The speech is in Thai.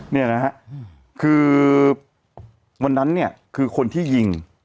เนี่ยนะฮะคือวันนั้นเนี่ยคือคนที่ยิง